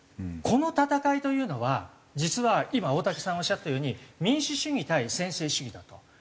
この闘いというのは実は今大竹さんがおっしゃってたように民主主義対専制主義だと。